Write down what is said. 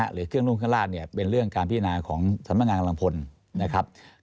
หรือเครื่องรุ่งเครื่องราชเนี่ยเป็นเรื่องการพินาของธรรมงานกำลังพลนะครับ